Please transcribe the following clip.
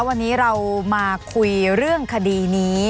วันนี้เรามาคุยเรื่องคดีนี้